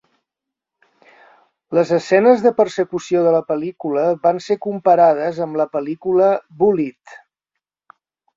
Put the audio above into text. Les escenes de persecució de la pel·lícula van ser comparades amb la pel·lícula "Bullitt".